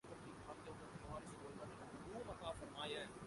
done and Bradstreet کے پاکستان کیلیے کاروباری امید کے اشاریہ کا اجرا